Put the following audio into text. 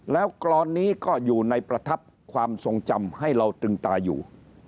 แล้วกรอนนี้ก็อยู่ในประทับความทรงจำให้เราตึงตาอยู่